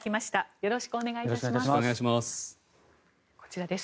よろしくお願いします。